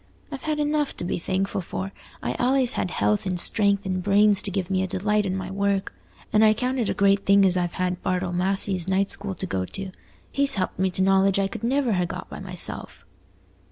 I've had enough to be thankful for: I've allays had health and strength and brains to give me a delight in my work; and I count it a great thing as I've had Bartle Massey's night school to go to. He's helped me to knowledge I could never ha' got by myself."